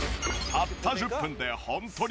たった１０分でホントに変わる？